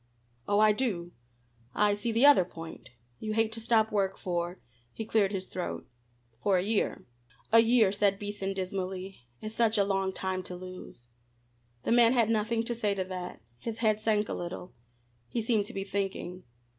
"Oh, I do. I see the other point. You hate to stop work for," he cleared his throat "for a year." "A year," said Beason dismally, "is such a long time to lose." The man had nothing to say to that. His head sank a little. He seemed to be thinking.